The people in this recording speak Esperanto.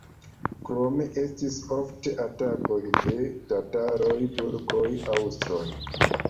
Krome estis ofte atakoj de tataroj, turkoj, aŭstroj.